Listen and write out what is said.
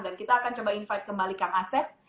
dan kita akan coba invite kembali kang asep